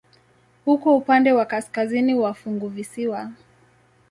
Uko upande wa kaskazini wa funguvisiwa.